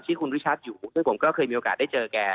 ที่คุณวิชัดอยู่ซึ่งผมก็เคยมีโอกาสได้เจอแก